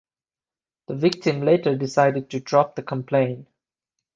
The victim later decided to drop the complaint.